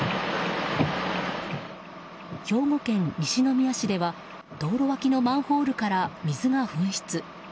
兵庫県西宮市では道路脇のマンホールから水が噴出。